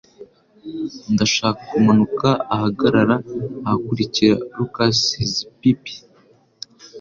Ndashaka kumanuka ahagarara ahakurikira. (lukaszpp)